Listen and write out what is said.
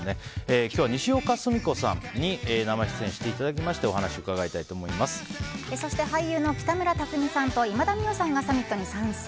今日は、にしおかすみこさんに生出演していただきましてそして、俳優の北村匠海さんと今田美桜さんがサミットに参戦。